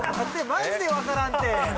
マジで分からんて。